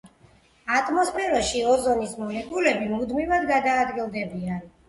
ატმოსფეროში ოზონის მოლეკულები მუდმივად გადაადგილდებიან.